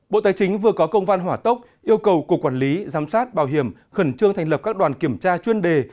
bộ tài chính vừa có công văn hỏa tốc yêu cầu cục quản lý giám sát bảo hiểm khẩn trương thành lập các đoàn kiểm tra chuyên đề